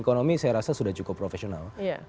ekonomi saya rasa sudah cukup profesional